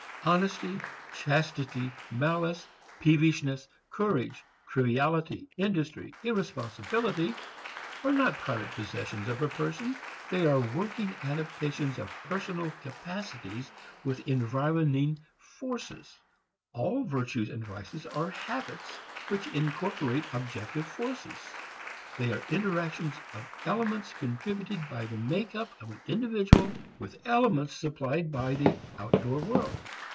Honesty, chastity, malice, peevishness, courage, triviality, industry, irresponsibility are not private possessions of a person. They are working adaptations of personal capacities with environing forces. All virtues and vices are habits which incorporate objective forces. They are interactions of elements contributed by the make up of an individual with elements supplied by the out door world.